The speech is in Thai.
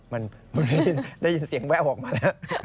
มันไม่ได้ยินเสียงแววออกมาแล้ว